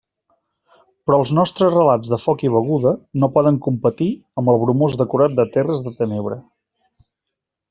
Però els nostres relats de foc i beguda no poden competir amb el bromós decorat de terres de tenebra.